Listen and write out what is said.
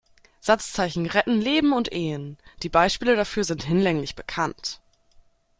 Satzzeichen retten Leben und Ehen, die Beispiele dafür sind hinlänglich bekannt.